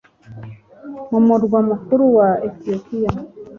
mu murwa mukuru wa Etiyopiya